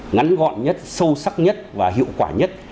ngắn gọn nhất sâu sắc nhất và hiệu quả nhất